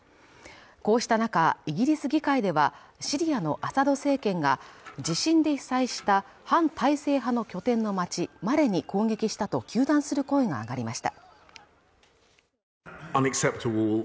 こうした中イギリス議会ではシリアのアサド政権が地震で被災した反体制派の拠点の町マレに攻撃したと糾弾する声が上がりました